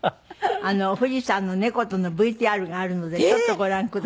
藤さんの猫とのＶＴＲがあるのでちょっとご覧ください。